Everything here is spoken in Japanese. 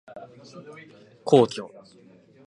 皇居